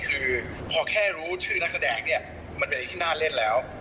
คือพอแค่รู้ชื่อนักแสดงเนี่ยมันเป็นอะไรที่น่าเล่นแล้ว